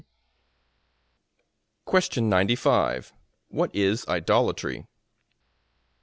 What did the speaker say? A.